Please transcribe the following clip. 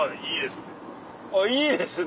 あぁいいですね。